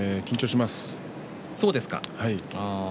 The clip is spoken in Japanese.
そうですか。